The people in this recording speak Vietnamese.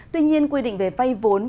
tuy nhiên quy định về vay vốn